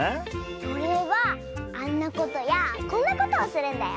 それはあんなことやこんなことをするんだよ。